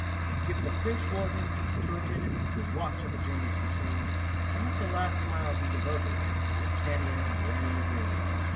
And give the French war hymn deep throated The Watch of the Germans between, And let the last mile be devoted To 'Britannia' and 'Wearing the Green.